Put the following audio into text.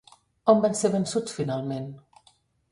On van ser vençuts finalment?